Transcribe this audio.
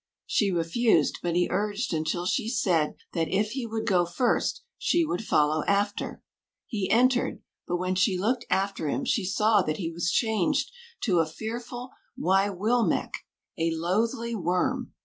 She refused, but he urged until she said that if he would go first, she would follow after. He entered, but when she looked after him she saw that he was changed to a fearful, 'Wī will mecq' a loathly worm.